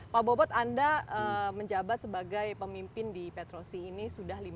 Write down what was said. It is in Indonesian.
pak bobot anda menjabat sebagai pemimpin di petrosi ini sudah lima tahun